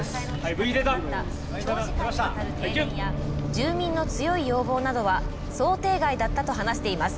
住民の強い要望などは想定外だったと話しています。